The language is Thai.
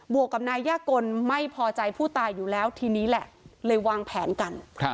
วกกับนายย่ากลไม่พอใจผู้ตายอยู่แล้วทีนี้แหละเลยวางแผนกัน